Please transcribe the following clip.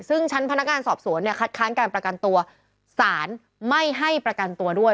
ซึ่งชั้นพนักงานสอบสวนเนี่ยคัดค้านการประกันตัวสารไม่ให้ประกันตัวด้วย